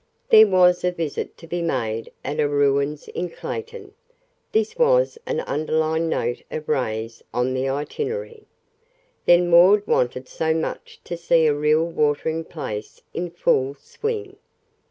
There was a visit to be made at a ruins in Clayton; this was an underlined note of Ray's on the itinerary. Then Maud wanted so much to see a real watering place in full swing.